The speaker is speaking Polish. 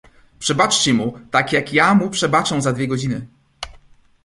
"Przebaczcie mu, tak jak ja mu przebaczę za dwie godziny."